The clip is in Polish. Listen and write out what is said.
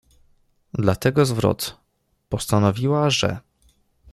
Dlatego zwrot: „postanowiła, że.